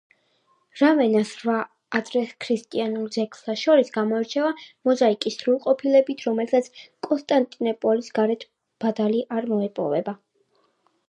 რავენას რვა ადრექრისტიანულ ძეგლთა შორის გამოირჩევა მოზაიკის სრულყოფილებით, რომელსაც კონსტანტინოპოლის გარეთ ბადალი არ მოეპოვება.